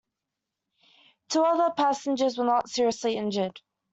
Two other passengers were not seriously injured.